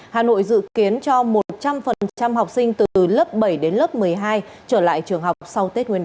hà nội dự kiến cho một trăm linh học sinh từ lớp bảy đến lớp một mươi hai trở lại trường học sau tết nguyên đán